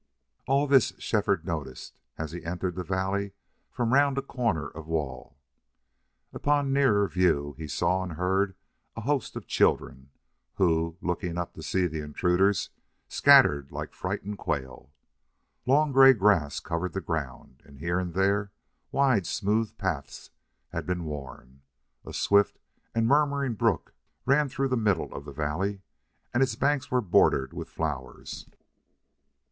All this Shefford noticed as he entered the valley from round a corner of wall. Upon nearer view he saw and heard a host of children, who, looking up to see the intruders, scattered like frightened quail. Long gray grass covered the ground, and here and there wide, smooth paths had been worn. A swift and murmuring brook ran through the middle of the valley, and its banks were bordered with flowers.